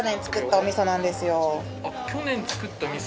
去年作った味噌。